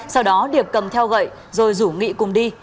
sau đó điệp cầm theo gậy rồi rủ nghị cùng đi